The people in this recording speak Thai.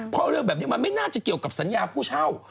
เพราะเรื่องแบบนี้มันไม่น่าจะเกี่ยวกับสัญญาผู้เช่า